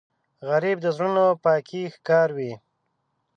غریب د زړونو پاکی ښکاروي